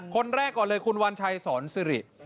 คนแรกก่อนเลยคุณวัญชัยสอนสิริ